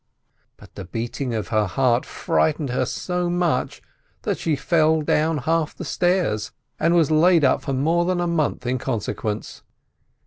But the beating of her heart frightened her so much that she fell down half the stairs, and was laid up for more than a month in consequence.